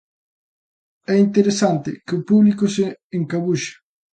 É interesante que o público se encabuxe.